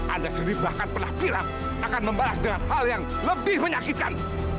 anda sendiri bahkan pernah kirap akan membahas dengan hal yang lebih menyakitkan